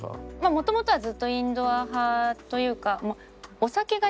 もともとはずっとインドア派というか。